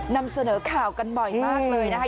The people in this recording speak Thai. นำเสนอข่าวกันบ่อยมากเลยนะคะ